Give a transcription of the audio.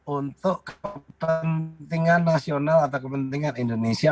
untuk kepentingan nasional atau kepentingan indonesia